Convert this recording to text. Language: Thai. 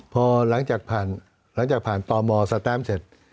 พอหลังจากผ่านหลังจากผ่านตมสแตมเสร็จ